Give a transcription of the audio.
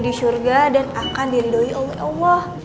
di syurga dan akan diridohi oleh allah